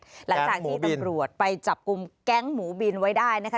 หลังจากที่ตำรวจไปจับกลุ่มแก๊งหมูบินไว้ได้นะคะ